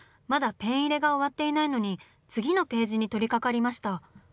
まだペン入れが終わっていないのに次のページに取りかかりました。